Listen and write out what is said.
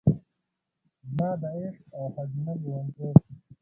زما د عشق او ښځینه لیونتوب،